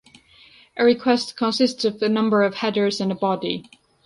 A request consists of a number of headers and a body.